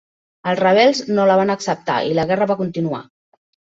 Els rebels no la van acceptar i la guerra va continuar.